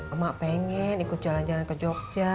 emak pengen ikut jalan jalan ke jogja